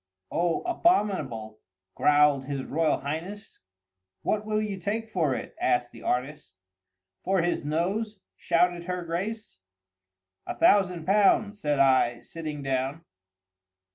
"Oh, abominable!" growled his Royal Highness. "What will you take for it?" asked the artist. "For his nose!" shouted her Grace. "A thousand pounds," said I, sitting down.